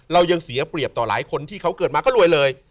เรายังเสียเปรียบต่อหลายคนที่เขาเกิดมาก็รวยเลย